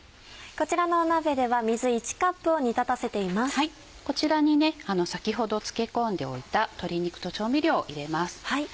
こちらに先ほど漬け込んでおいた鶏肉と調味料を入れます。